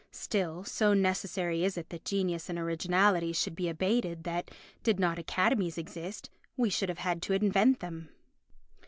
Still, so necessary is it that genius and originality should be abated that, did not academies exist, we should have had to invent them.